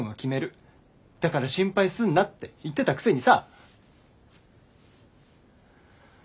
だから心配すんな」って言ってたくせにさ。